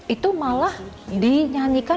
itu malah dinyanyikan